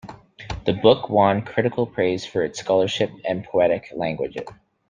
The book won critical praise for its scholarship and poetic language.